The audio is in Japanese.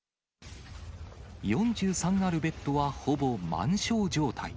４３あるベッドはほぼ満床状態。